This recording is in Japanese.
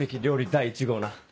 第１号な。